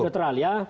untuk netral ya